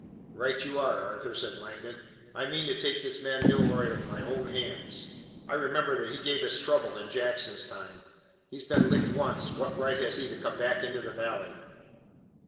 "Right you are, Arthur," said Langdon. "I mean to take this man Milroy with my own hands. I remember that he gave us trouble in Jackson's time. He's been licked once. What right has he to come back into the Valley?"